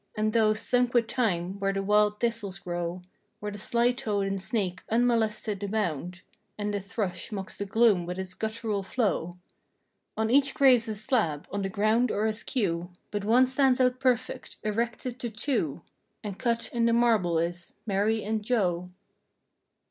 And those, sunk with time, where the wild thistles grow. Where the sly toad and snake unmolested abound, And the thrush mocks the gloom with his guttural flow. 220 On each grave's a slab, on the ground or askew. But one stands out perfect—erected to two— And cut in the marble is: "MARY AND JOE."